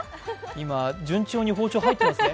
今、順調に包丁、入ってますね。